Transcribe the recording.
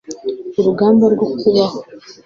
urugamba rwo kubaho